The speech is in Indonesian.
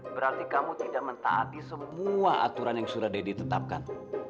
berarti kamu tidak mentaati semua aturan yang sudah deddy tetapkan